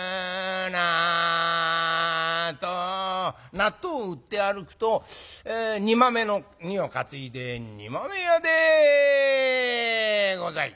納豆を売って歩くと煮豆の荷を担いで「煮豆屋でござい」。